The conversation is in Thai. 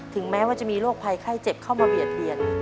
แม้ว่าจะมีโรคภัยไข้เจ็บเข้ามาเบียดเบียน